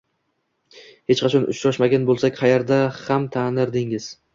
Hech qachon uchrashmagan bo`lsak qaerdan ham tanirdingiz